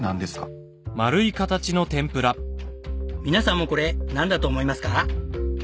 皆さんもこれなんだと思いますか？